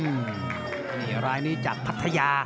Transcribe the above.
นี่รายนี้จากพัทยา